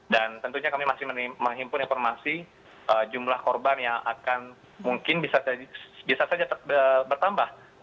dan tentunya kami masih menghimpun informasi jumlah korban yang akan mungkin bisa saja bertambah